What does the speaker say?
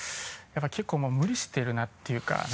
やっぱ結構もう無理してるなっていうか。